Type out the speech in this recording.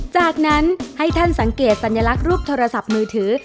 จากนั้นให้ท่านสังเกตสัญลักษณ์รูปโทรศัพท์มือถือ